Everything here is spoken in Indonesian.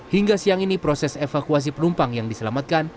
hingga siang ini proses evakuasi penumpang yang diselamatkan